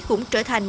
cũng trở thành